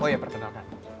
oh ya perkenalkan